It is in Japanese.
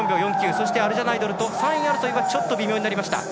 そしてアルジャナイドルと３位争いがちょっと微妙になりました。